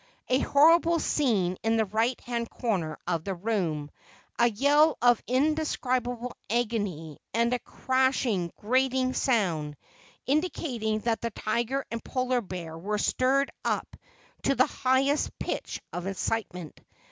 A horrible scene in the right hand corner of the room, a yell of indescribable agony, and a crashing, grating sound, indicated that the tiger and Polar bear were stirred up to the highest pitch of excitement.